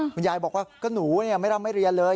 คุณยายบอกว่าก็หนูไม่ร่ำไม่เรียนเลย